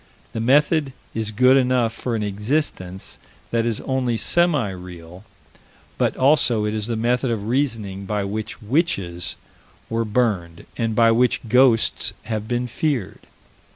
The method is good enough for an "existence" that is only semi real, but also it is the method of reasoning by which witches were burned, and by which ghosts have been feared.